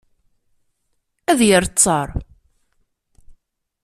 Ad d-yer ttar.